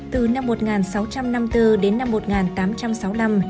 từ năm một nghìn sáu trăm năm mươi bốn đến năm một nghìn tám trăm sáu mươi năm